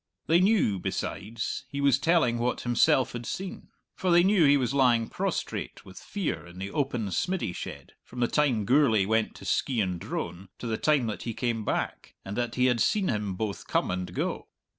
They knew, besides, he was telling what himself had seen. For they knew he was lying prostrate with fear in the open smiddy shed from the time Gourlay went to Skeighan Drone to the time that he came back, and that he had seen him both come and go.